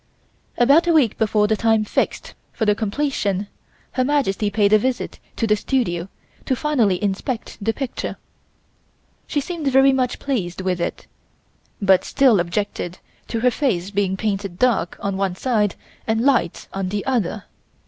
About a week before the time fixed for completion Her Majesty paid a visit to the studio to finally inspect the picture. She seemed very much pleased with it, but still objected to her face being painted dark on one side and light on the other.